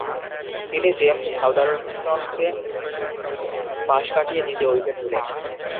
তিনি জেমস সাউদার্টনকে পাশ কাটিয়ে দ্বিতীয় উইকেট তুলেন।